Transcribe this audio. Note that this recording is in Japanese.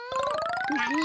なに？